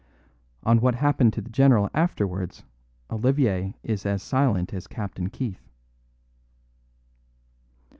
On what happened to the general afterwards Olivier is as silent as Captain Keith."